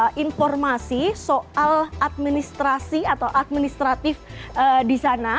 ini adalah informasi soal administrasi atau administratif di sana